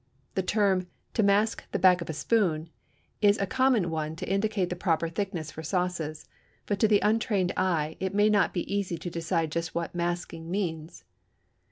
The term "to mask the back of a spoon" is a common one to indicate the proper thickness for sauces, but to the untrained eye it may not be easy to decide just what "masking" means.